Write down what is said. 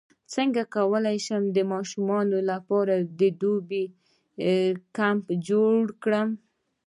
څنګه کولی شم د ماشومانو لپاره د دوبي کمپ جوړ کړم